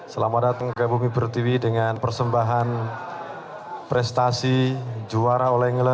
selamat datang ke bumi bertiwi dengan persembahan prestasi juara oleh inggris